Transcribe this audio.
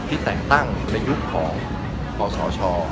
ที่แต่งตั้งในยุคของขอสอช่อ